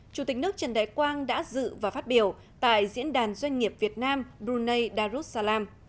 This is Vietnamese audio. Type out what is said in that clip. chủ tịch nước trần đại quang đã dự và phát biểu tại diễn đàn doanh nghiệp việt nam brunei darussalam